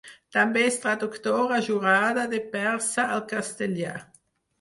També és traductora jurada de persa al castellà.